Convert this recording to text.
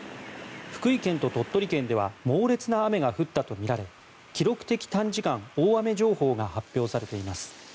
福井県と鳥取県では猛烈な雨が降ったとみられ記録的短時間大雨情報が発表されています。